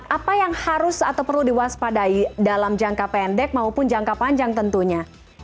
apa yang harus atau perlu diwaspadai dalam jangka pendek maupun jangka panjang tentunya